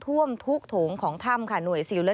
สวัสดีค่ะสวัสดีค่ะ